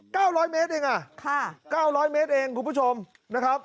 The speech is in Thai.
ร้อยเมตรเองอ่ะค่ะเก้าร้อยเมตรเองคุณผู้ชมนะครับ